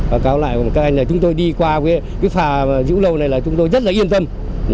báo cáo lại các anh là chúng tôi đi qua cái phà dữ lâu này là chúng tôi rất là yên tâm